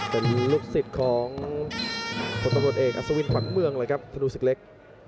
เป็นลูกศิษย์ของคนตำรวจเอกอัศวินขวัญเมืองเลยครับธนูศึกเล็ก